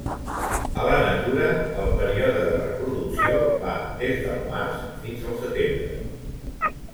A la natura el període de reproducció va des del març fins al setembre.